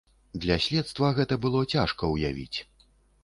Для следства гэта было цяжка ўявіць.